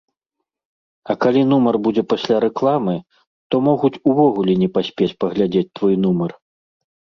А калі нумар будзе пасля рэкламы, то могуць увогуле не паспець паглядзець твой нумар.